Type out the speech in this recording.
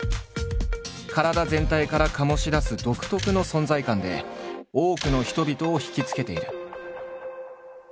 体全体から醸し出す独特の存在感で多くの人々を惹きつけている。